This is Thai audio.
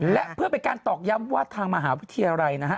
และเพื่อเป็นการตอกย้ำว่าทางมหาวิทยาลัยนะฮะ